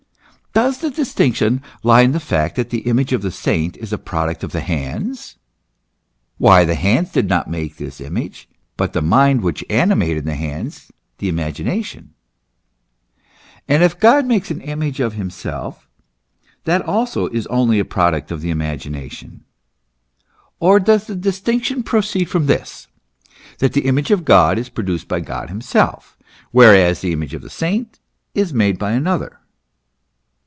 Does the distinction lie in the fact that the image of the saint is a product of the hands ? Why, the hands did not make this image, but the mind which animated the hands, the imagination ; and if God makes an image of himself, that also is only a product of the imagination. Or does the distinction proceed from this, that the Image of God is produced by God himself, whereas the image of the saint is made by another